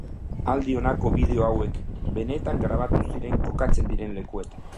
Aldiz, honako bideo hauek benetan grabatu ziren kokatzen diren lekuetan.